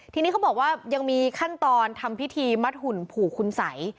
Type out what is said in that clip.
ทีนี้เขาบอกว่ายังมีขั้นตอนทำพิธีมัดหุ่นผูกคุณสัย